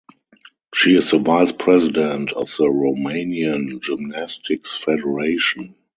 She is the vice president of the Romanian Gymnastics Federation.